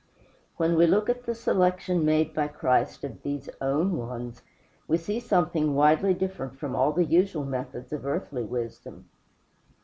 When we look at the selection made by Christ of these own ones, we see something widely different from all the usual methods of earthly wisdom.